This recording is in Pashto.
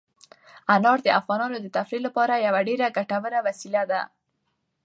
انار د افغانانو د تفریح لپاره یوه ډېره ګټوره وسیله ده.